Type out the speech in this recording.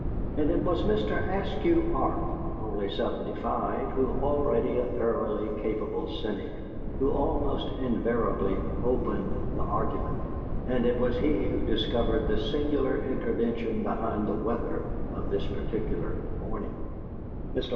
And it was Mr. Eskew Arp, only seventy five, but already a thoroughly capable cynic, who, almost invariably "opened the argument," and it was he who discovered the sinister intention behind the weather of this particular morning.